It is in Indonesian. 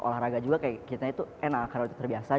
selama mereka mengikuti pelatihan tarung derajat